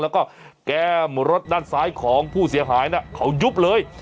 แล้วก็แก้มรถด้านซ้ายของผู้เสียหายเขายุบเลย